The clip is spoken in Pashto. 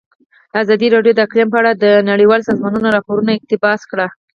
ازادي راډیو د اقلیم په اړه د نړیوالو سازمانونو راپورونه اقتباس کړي.